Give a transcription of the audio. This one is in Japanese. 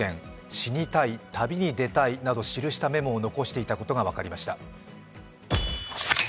死にたい、旅に出たいなどと記したメモを残していたことが分かりました。